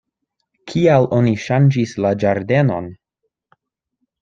Kial oni ŝanĝis la ĝardenon?